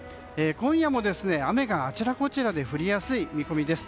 今夜も雨があちらこちらで降りやすい見込みです。